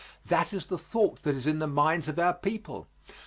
That is the thought that is in the minds of our people.